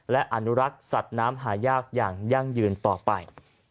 และอนุรักษ์สัตว์น้ำหายากอย่างยั่งยืนต่อไป